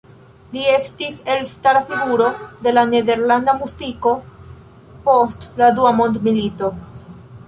Li estis elstara figuro de la nederlanda muziko post la dua mondmilito.